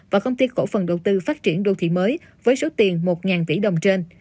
và công ty cổ phần đầu tư phát triển đô thị mới với số tiền một tỷ đồng trên